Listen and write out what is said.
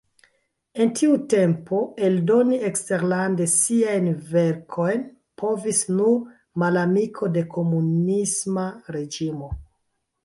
En tiu tempo eldoni eksterlande siajn verkojn povis nur "malamiko de komunisma reĝimo".